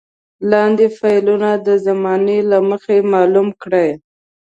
لاندې فعلونه د زمانې له مخې معلوم کړئ.